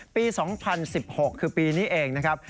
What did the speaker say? ปี๒๐๑๖คือปีนี้เองนะครับ